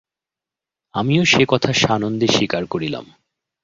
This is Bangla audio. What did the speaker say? আমিও সে কথা সানন্দে স্বীকার করিলাম।